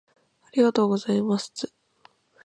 ありがとうございますつ